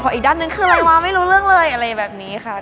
อีกด้านนึงคืออะไรวะไม่รู้เรื่องเลยอะไรแบบนี้ค่ะ